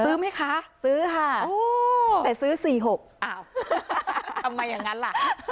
ซื้อไหมคะซื้อค่ะแต่ซื้อ๔๖อ้าวทำไมอย่างนั้นล่ะ